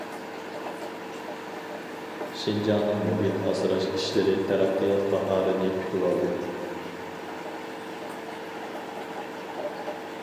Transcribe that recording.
شىنجاڭنىڭ مۇھىت ئاسراش ئىشلىرى تەرەققىيات باھارىنى كۈتۈۋالدى.